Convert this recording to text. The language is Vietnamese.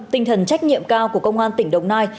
tinh thần trách nhiệm cao của công an tỉnh đồng nai